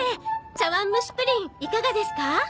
茶わんむしプリンいかがですか？